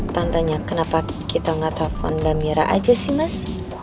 tantanya kenapa kita nggak telepon damira aja sih mas